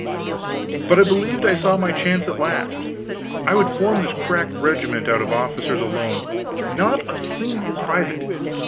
But I believed I saw my chance at last. I would form this crack regiment out of officers alone not a single private.